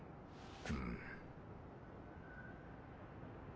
うん。